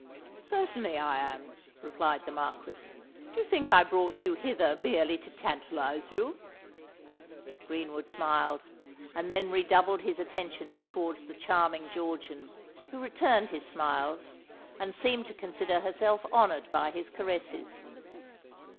"Certainly I am," replied the Marquis. "Do you think that I brought you hither merely to tantalize you?" Greenwood smiled, and then redoubled his attentions towards the charming Georgian, who returned his smiles, and seemed to consider herself honoured by his caresses.